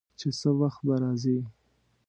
چې څه وخت به راځي.